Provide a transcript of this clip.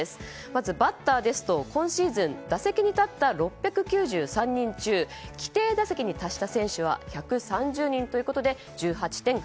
まずバッターですと今シーズン打席に立った６９３人中規定打席に達した選手は１３０人ということで１８．８％。